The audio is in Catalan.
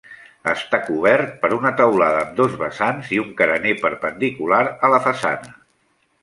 Està cobert per una teulada amb dos vessants i un carener perpendicular a la façana.